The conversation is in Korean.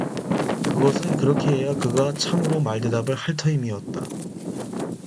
그것은 그렇게 해야 그가 참으로 말대답을 할 터임이었다.